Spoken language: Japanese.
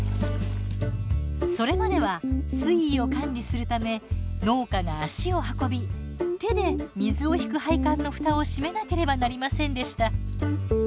それまでは水位を管理するため農家が足を運び手で水を引く配管の蓋を閉めなければなりませんでした。